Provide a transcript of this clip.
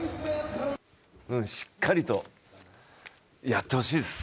しっかりとやってほしいです。